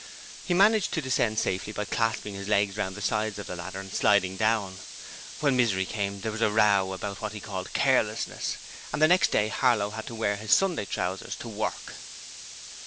He managed to descend safely by clasping his legs round the sides of the ladder and sliding down. When Misery came there was a row about what he called carelessness. And the next day Harlow had to wear his Sunday trousers to work.